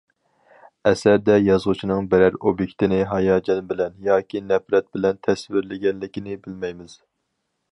ئەسەردە يازغۇچىنىڭ بىرەر ئوبيېكتىنى ھاياجان بىلەن ياكى نەپرەت بىلەن تەسۋىرلىگەنلىكىنى بىلەلمەيمىز.